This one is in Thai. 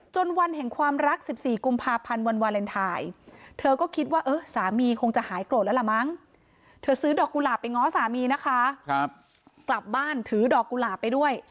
จนวันแห่งความรัก๑๔กุมภาพันธ์วันวาเลนไทย